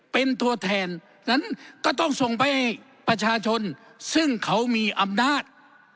เป็นตัวแทนนั้นก็ต้องส่งไปให้ประชาชนซึ่งเขามีอำนาจ